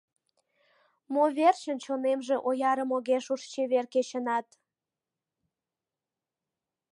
Мо верчын чонемже оярым Огеш уж чевер кечынат?